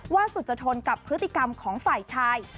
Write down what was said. สุจทนกับพฤติกรรมของฝ่ายชาย